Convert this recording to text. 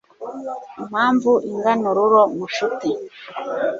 impamvu ingana ururo mushuti